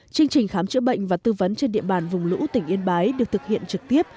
chương trình khám chữa bệnh và tư vấn trên địa bàn vùng lũ tỉnh yên bái được thực hiện trực tiếp